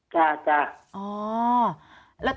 จ้ะจ้ะ